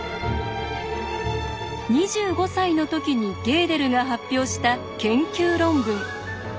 ２５歳の時にゲーデルが発表した研究論文。